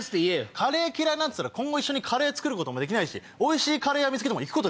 カレー嫌いなんて言ったら一緒にカレー作ることもできないしおいしいカレー屋行けないじゃん。